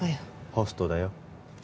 ホストだよ。